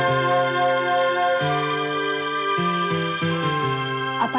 dan di rumah bapak